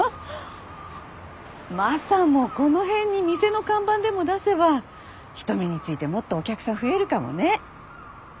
マサもこの辺に店の看板でも出せば人目についてもっとお客さん増えるかもね。